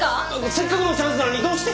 せっかくのチャンスなのにどうして？